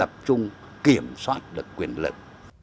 tập trung kiểm soát được quyền lực